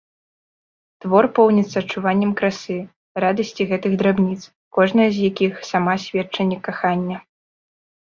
Твор поўніцца адчуваннем красы, радасці гэтых драбніц, кожная з якіх сама сведчанне кахання.